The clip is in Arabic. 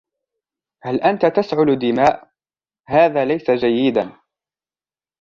هل أنتَ تسعل دماء؟ هذا ليس جيداً.